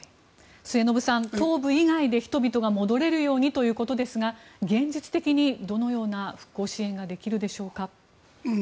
末延さん、東部以外で人々が戻れるようにということですが現実的にどのような復興支援ができるでしょうか。